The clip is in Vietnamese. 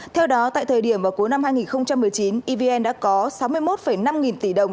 theo đó tại thời điểm vào cuối năm hai nghìn một mươi chín evn đã có sáu mươi một năm nghìn tỷ đồng